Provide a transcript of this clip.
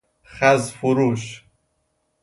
خز فروش